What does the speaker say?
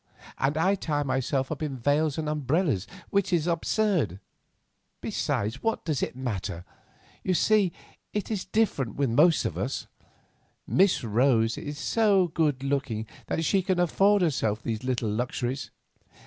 And I tie myself up in veils and umbrellas, which is absurd. Besides, what does it matter? You see, it is different with most of us; Miss Rose is so good looking that she can afford herself these little luxuries."